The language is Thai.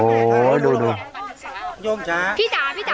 โยมชาโยมชาพี่จ๋าพี่จ๋า